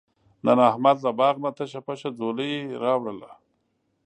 نن احمد له باغ نه تشه پشه ځولۍ راوړله.